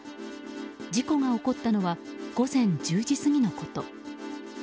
事故が起こったのは午前１０時過ぎのこと。